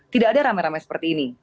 tidak ada rame rame seperti ini